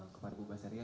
kepada bu basaryah